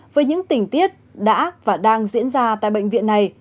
với những tình tiết đã và đang diễn ra tại bệnh viện này